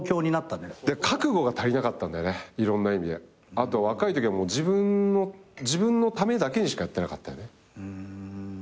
あと若いときはもう自分のためだけにしかやってなかったね。